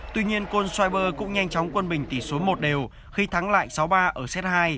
tuy nhiên côn suyber cũng nhanh chóng quân bình tỷ số một đều khi thắng lại sáu ba ở set hai